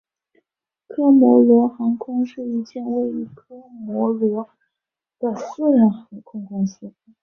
科摩罗航空是一间位于科摩罗的私人航空公司。